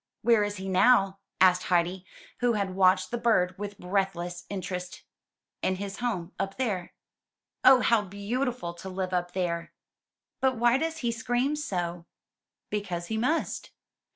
''Where is he now?'' asked Heidi, who had watched the bird with breathless interest. ''In his home up there." "Oh, how beautiful to live up there! But why does he scream so?" "Because he must."